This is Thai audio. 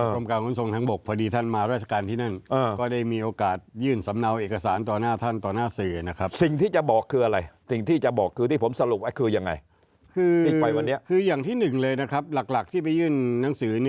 กรมกาลขุนทรงทางบกพอดีท่านมาราชการที่นั่น